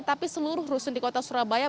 tapi seluruh rusun di kota surabaya